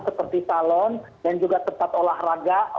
seperti salon dan juga tempat olahraga